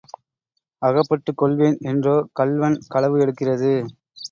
அகப்பட்டுக் கொள்வேன் என்றோ கள்வன் களவு எடுக்கிறது?